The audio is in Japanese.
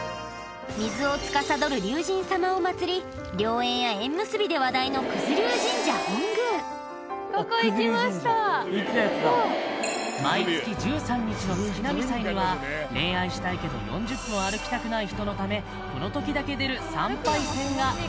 水をつかさどる龍神様を祀り良縁や縁結びで話題の九頭龍神社行ったやつだそう毎月１３日の月次祭には恋愛したいけど４０分歩きたくない人のためこの時だけ出る参拝船が！